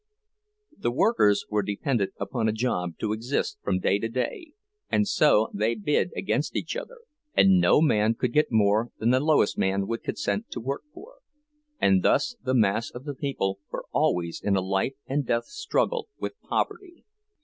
The workers were dependent upon a job to exist from day to day, and so they bid against each other, and no man could get more than the lowest man would consent to work for. And thus the mass of the people were always in a life and death struggle with poverty.